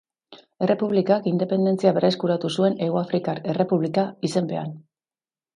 Errepublikak independentzia berreskuratu zuen Hegoafrikar Errepublika izenpean.